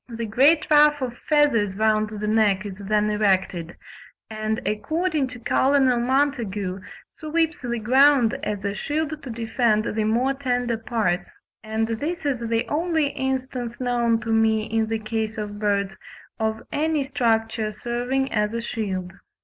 The great ruff of feathers round the neck is then erected, and according to Col. Montagu "sweeps the ground as a shield to defend the more tender parts"; and this is the only instance known to me in the case of birds of any structure serving as a shield.